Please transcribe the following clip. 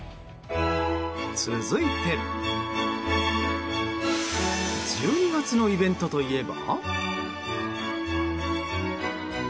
続いて１２月のイベントといえば。